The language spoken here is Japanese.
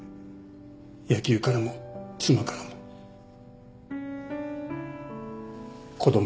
野球からも妻からも子供からも。